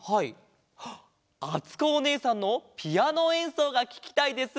「あつこおねえさんのピアノえんそうがききたいです」